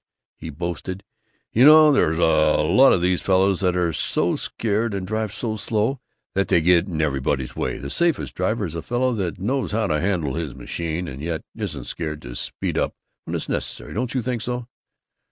He boasted, "You know, there's a lot of these fellows that are so scared and drive so slow that they get in everybody's way. The safest driver is a fellow that knows how to handle his machine and yet isn't scared to speed up when it's necessary, don't you think so?"